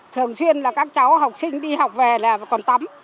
thường xuyên là các cháu học sinh đi học về là còn tắm